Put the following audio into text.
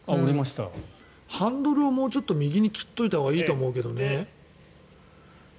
ハンドルをもうちょっと右に切っておいたほうがいいと思うけどね。